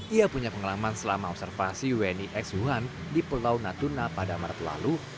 ia punya pengalaman selama observasi wni x wuhan di pulau natuna pada maret lalu